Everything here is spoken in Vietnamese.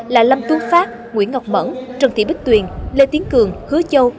là lâm tú phát nguyễn ngọc mẫn trần thị bích tuyền lê tiến cường hứa châu